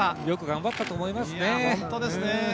よく頑張ったと思いますね。